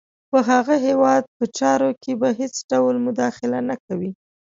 په هغه هیواد په چارو کې به هېڅ ډول مداخله نه کوي.